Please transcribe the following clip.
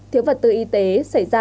thiếu vật tư y tế xảy ra